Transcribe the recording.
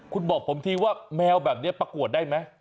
คุณบอกผมทีว่าแมวแบบนี้ประกวดได้ไหม